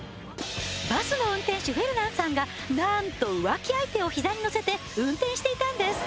バスの運転手フェルナンさんが何と浮気相手を膝に乗せて運転していたんです